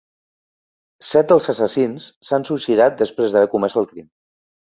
Set dels assassins s’han suïcidat després d’haver comès el crim.